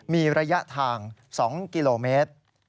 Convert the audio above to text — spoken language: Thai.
มีระยะทาง๒กิโลเมตร